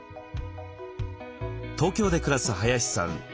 東京で暮らす林さん。